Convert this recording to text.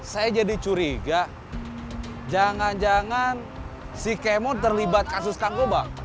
saya jadi curiga jangan jangan si kemo terlibat kasus narkoba